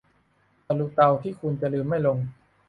ตะรุเตาที่คุณจะลืมไม่ลง